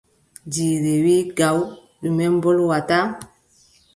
Jiire wii gaw: ɗume mbolwata?